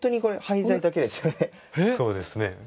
そうですね。